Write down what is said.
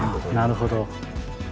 なるほど。